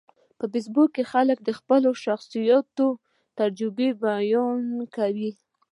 په فېسبوک کې خلک د خپلو شخصیتي تجربو بیان کوي